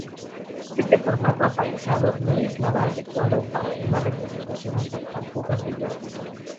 Este formato apaisado no es nada adecuado para una representación con tan pocas figuras.